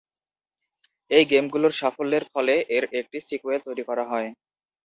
এই গেমগুলোর সাফল্যের ফলে এর একটি সিক্যুয়েল তৈরি করা হয়।